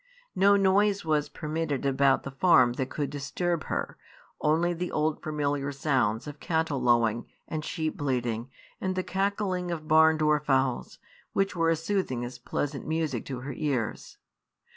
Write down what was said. No noise was permitted about the farm that could disturb her; only the old, familiar sounds of cattle lowing, and sheep bleating, and the cackling of barn door fowls, which were as soothing as pleasant music to her ears.